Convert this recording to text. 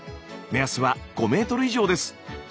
目安は５ｍ以上です。